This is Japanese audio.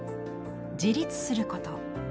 「自立すること」。